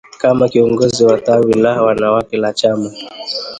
Kama kiongozi wa tawi la wanawake la chama